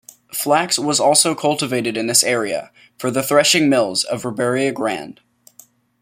Flax was also cultivated in this area, for the threshing mills of Riberia Grande.